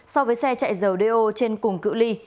so với xe chạy dầu do trên cùng cựu ly